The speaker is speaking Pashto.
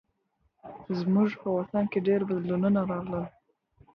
زموږ په وطن کې ډېر بدلونونه راغلل.